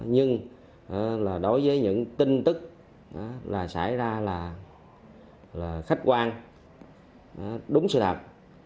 nhưng đối với những tin tức là xảy ra là khách quan đúng sự thật